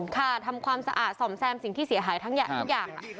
ค่ะทำความสะอาดส่อมแซมสิ่งที่เสียหายทั้งทุกอย่าง